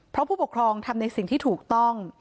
เพราะผู้ปกครองทำในสิ่งที่ถูกต้อง